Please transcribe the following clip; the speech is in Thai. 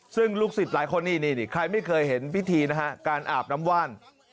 ซึ่งลูกศิษย์หลายคนนี่ใครไม่เคยเห็นพิธีนะฮะการอาบน้ำว่าน